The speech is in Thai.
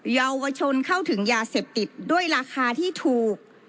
เยาวชนเข้าถึงยาเสพติดด้วยราคาที่ถูก